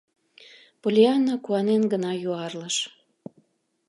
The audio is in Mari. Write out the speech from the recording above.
— Поллианна куанен гына юарлыш.